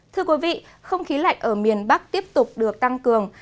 thưa quý vị không khí lạnh ở miền bắc tiếp tục được tăng cường